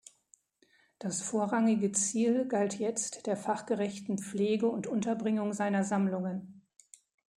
Das vorrangige Ziel galt jetzt der fachgerechten Pflege und Unterbringung seiner Sammlungen.